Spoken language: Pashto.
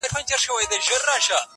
چا په ساندو چا په سرو اوښکو ژړله -